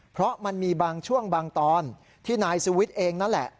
เพราะมันมีบางช่วงบางตอนที่นายสุวิทย์เองนั่นแหละ